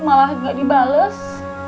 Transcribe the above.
malah gak dibales